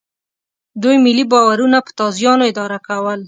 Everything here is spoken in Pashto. دوی ملي باورونه په تازیانو اداره کول.